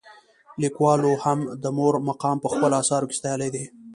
لیکوالو هم د مور مقام په خپلو اثارو کې ستایلی دی.